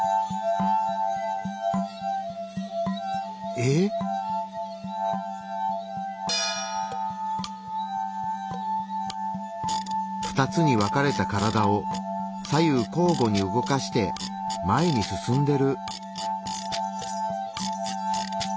えっ⁉２つに分かれた体を左右こうごに動かして前に進んでる。